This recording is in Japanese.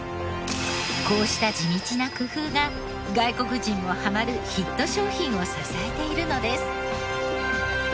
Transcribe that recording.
こうした地道な工夫が外国人もハマるヒット商品を支えているのです。